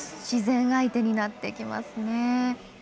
自然相手になってきますね。